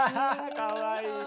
かわいい。